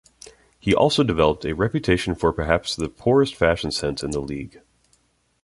He also developed a reputation for perhaps the poorest fashion sense in the league.